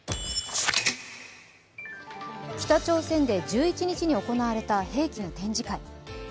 北朝鮮で１１日に行われた兵器の展示会。